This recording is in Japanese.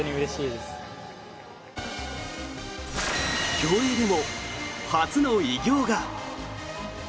競泳でも初の偉業が。